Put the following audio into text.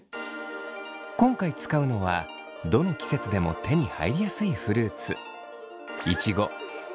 今回使うのはどの季節でも手に入りやすいフルーツ。